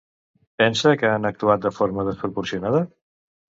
Pensa que han actuat de forma desproporcionada?